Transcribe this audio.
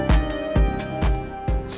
akhirnya parkir mereka